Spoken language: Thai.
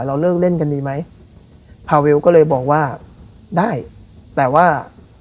เราเลิกเล่นกันดีไหมพาเวลก็เลยบอกว่าได้แต่ว่า